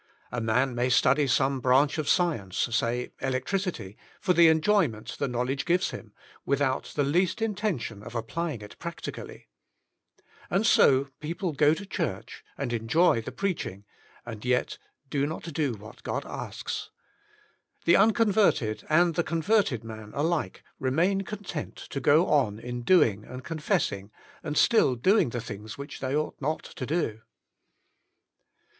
A man may study some branch of science — say electricity — for the enjoyment the knowledge gives him, without the least intention of applying it practically. And 51 52 The Inner Chamber so people go to church, and enjoy the preaching, AND Yet do not Do What God Asks. The unconverted and the converted man alike remain content to go on in doing and confessing, and still doing the things which they ought not to do.